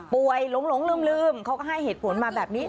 หลงลืมเขาก็ให้เหตุผลมาแบบนี้